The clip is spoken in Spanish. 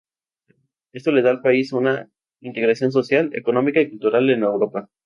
Esto le da al país una integración social, económica y cultural en Europa.